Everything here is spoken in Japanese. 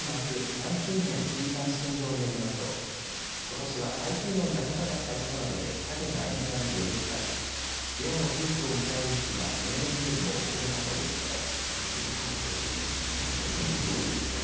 ・内水面水産試験場によりますとことしは海水温が高かったことなどでさけが沿岸に寄りつかず漁のピークを迎える時期が例年よりも遅れたということです。